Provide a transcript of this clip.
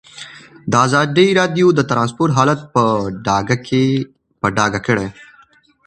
ازادي راډیو د ترانسپورټ حالت په ډاګه کړی.